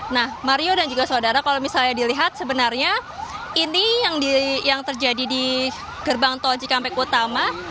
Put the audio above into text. nah mario dan juga saudara kalau misalnya dilihat sebenarnya ini yang terjadi di gerbang tol cikampek utama